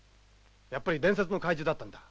やっぱり伝説の怪獣だったんだ。